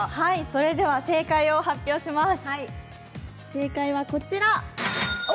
それでは正解を発表します。